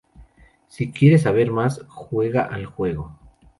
Sí quieres saber más, juega al juego.